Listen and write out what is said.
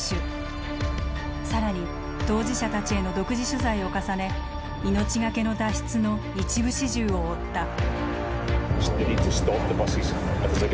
更に当事者たちへの独自取材を重ね命懸けの脱出の一部始終を追った。